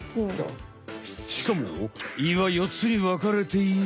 しかも胃は４つにわかれている。